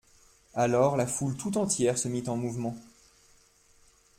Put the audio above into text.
Alors la foule tout entière se mit en mouvement.